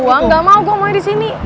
gue gak mau gue mau aja di sini